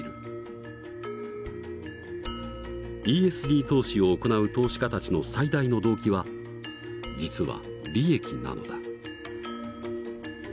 ＥＳＧ投資を行う投資家たちの最大の動機は実は利益なのだ。